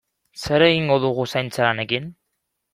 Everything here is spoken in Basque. Zer egingo dugu zaintza lanekin?